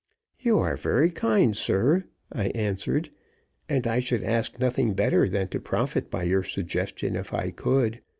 "You are very kind, sir," I answered, "and I should ask nothing better than to profit by your suggestion, if I could.